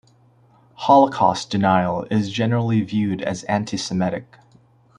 Holocaust denial is generally viewed as antisemitic.